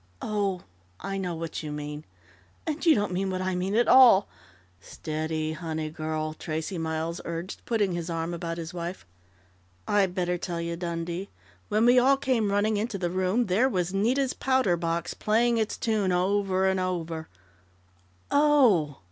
Oh, I know what you mean! And you don't mean what I mean at all " "Steady, honey girl!" Tracey Miles urged, putting his arm about his wife. "I'd better tell you, Dundee.... When we all came running into the room, there was Nita's powder box playing its tune over and over " "Oh!"